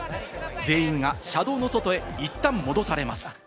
全員が車道の外へいったん戻されます。